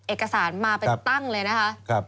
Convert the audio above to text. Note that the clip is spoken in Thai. เอกสารมาเป็นตั้งเลยนะคะ